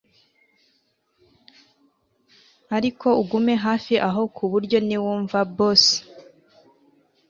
ariko ugume hafi aho kuburyo niwumva boss